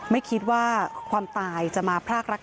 ไม่คิดว่าความตายจะมาพรากรัก